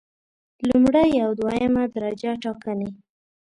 لومړی او دویمه درجه ټاکنې